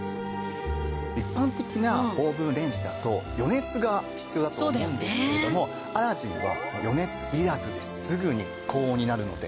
一般的なオーブンレンジだと予熱が必要だと思うんですけれどもアラジンは予熱いらずですぐに高温になるので。